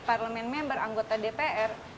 parlement member anggota dpr